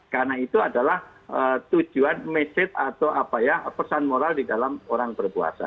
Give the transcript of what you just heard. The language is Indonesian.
karena itu adalah tujuan pesan moral di dalam orang berpuasa